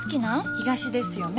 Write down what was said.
東ですよね？